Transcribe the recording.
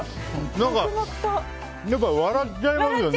何か笑っちゃいますよね。